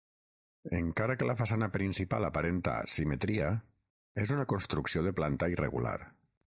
Encara que la façana principal aparenta simetria, és una construcció de planta irregular.